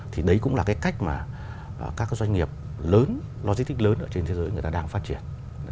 thì đấy cũng là cái cách mà các cái doanh nghiệp lớn logistics lớn ở trên thế giới người ta đang phát triển